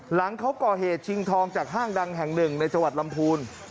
หลังเขาก่อเหตุชิงทองจากห้างดังแห่งหนึ่งในจังหวัดลำพูน